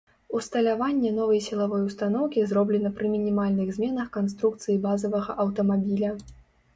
Усталяванне новай сілавой устаноўкі зроблена пры мінімальных зменах канструкцыі базавага аўтамабіля.